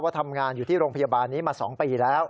ทำงานอยู่ที่โรงพยาบาลนี้มา๒ปีแล้ว